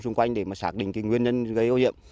xung quanh để xác định nguyên nhân gây ưu hiệp